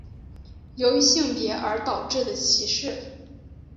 由于性别而导致的歧视。